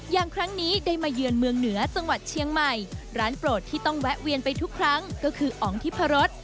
อย่างครั้งนี้ได้มาเยือนเมืองเหนือจังหวัดเชียงใหม่ร้านโปรดที่ต้องแวะเวียนไปทุกครั้งก็คืออ๋องทิพรส